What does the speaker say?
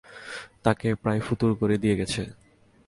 তাঁকে প্রায় ফতুর করে দিয়ে গেছে।